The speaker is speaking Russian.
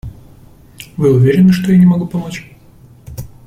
Вы уверены, что я не могу помочь?